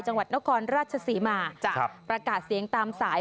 จังหวัดนครราชศรีมาประกาศเสียงตามสาย